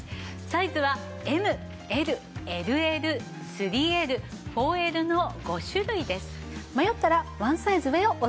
サイズはＭＬＬＬ３Ｌ４Ｌの５種類です。